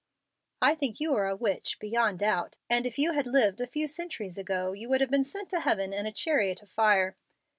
"I think you are a witch, beyond doubt, and if you had lived a few centuries ago, you would have been sent to heaven in a chariot of fire."